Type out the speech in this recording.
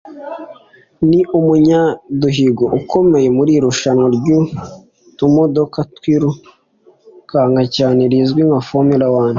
ni umunyaduhigo ukomeye muri irushanwa ry’utumodoka twirukanka cyane rizwi nka ‘Formula One’